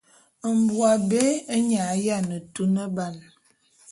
Mbo abé nye a yiane tuneban.